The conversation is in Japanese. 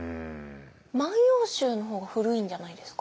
「万葉集」の方が古いんじゃないですか？